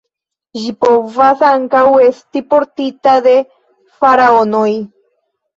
Ĝi povas ankaŭ esti portita de faraonoj.